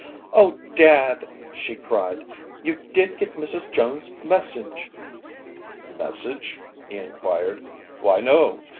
"Oh, Dad!" she cried. "You did get Mrs. Jones' message!" "Message?" he inquired. "Why, no!